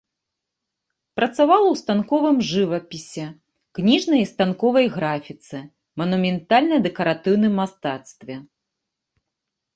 Працавала ў станковым жывапісе, кніжнай і станковай графіцы, манументальна-дэкаратыўным мастацтве.